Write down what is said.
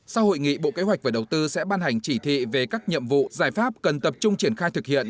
sau hội nghị bộ kế hoạch và đầu tư sẽ ban hành chỉ thị về các nhiệm vụ giải pháp cần tập trung triển khai thực hiện